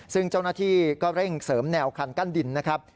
ซึ่งเจ้าหน้าที่ก็เร่งเสริมแนวคันกั้นดินนะครับ